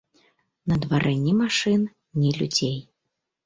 На дварэ ні машын, ні людзей.